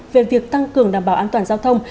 về việc tăng cường đảm bảo an toàn giao thông